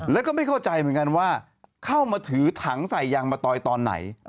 แล้วก็ไม่เข้าใจเหมือนกันว่าเข้ามาถือถังใส่ยางมะตอยตอนไหน